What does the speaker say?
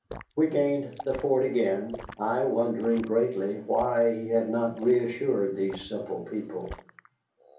We gained the fort again, I wondering greatly why he had not reassured these simple people.